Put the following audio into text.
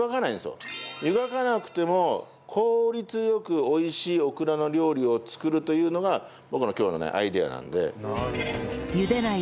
湯がかなくても効率良くおいしいオクラの料理を作るというのが僕の今日のねアイデアなので。